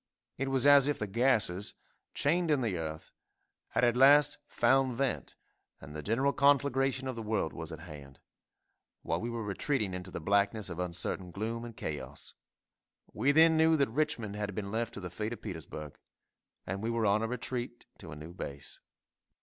It was as if the gases, chained in the earth, had at last found vent, and the general conflagration of the world was at hand, while we were retreating into the blackness of uncertain gloom and chaos. We then knew that Richmond had been left to the fate of Petersburg, and we were on a retreat to a new base.